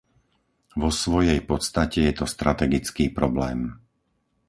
Vo svojej podstate je to strategický problém.